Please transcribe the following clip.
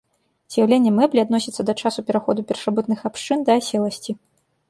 З'яўленне мэблі адносіцца да часу пераходу першабытных абшчын да аселасці.